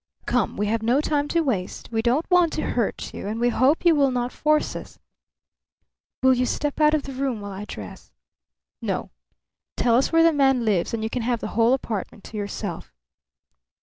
Come; we have no time to waste. We don't want to hurt you, and we hope you will not force us. "Will you step out of the room while I dress?" "No. Tell us where the man lives, and you can have the whole apartment to yourself."